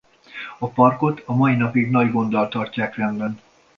A parkot a mai napig nagy gonddal tartják rendben.